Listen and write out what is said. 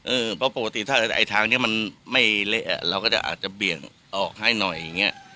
เพราะปกติถ้าไอ้ทางนี้มันไม่เละเราก็จะอาจจะเบี่ยงออกให้หน่อยอย่างเงี้ย